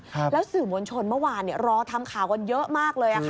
แล้วสื่อมวลชนเมื่อวานรอทำข่าวกันเยอะมากเลย